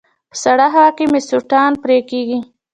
په سړه هوا کې مې سوڼان پرې کيږي